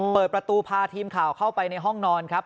เปิดประตูพาทีมข่าวเข้าไปในห้องนอนครับ